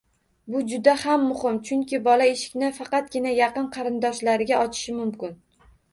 Bu juda ham muhim, chunki bola eshikni faqatgina yaqin qarishdoshlariga ochishi mumkin.